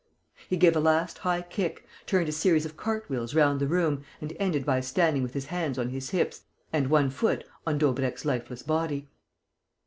He gave a last high kick, turned a series of cartwheels round the room and ended by standing with his hands on his hips and one foot on Daubrecq's lifeless body.